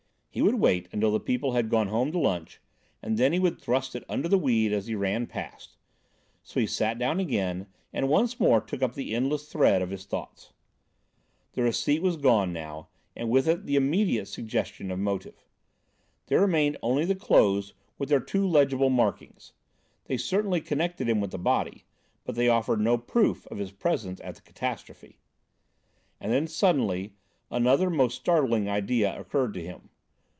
He would wait until the people had gone home to lunch, and then he would thrust it under the weed as he ran past. So he sat down again and once more took up the endless thread of his thoughts. The receipt was gone now, and with it the immediate suggestion of motive. There remained only the clothes with their too legible markings. They certainly connected him with the body, but they offered no proof of his presence at the catastrophe. And then, suddenly, another most startling idea occurred to him.